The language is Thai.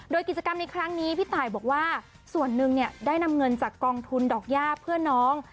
โดยกิจกรรมในครั้งนี้พี่ตายบอกว่าส่วนหนึ่งได้นำเงินจากกองทุนดอกย่าเพื่อนน้อง